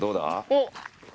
おっ！